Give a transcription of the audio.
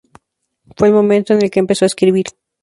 Fue el momento en el que empezó a escribir.